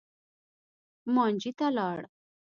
مانجې ته لاړ.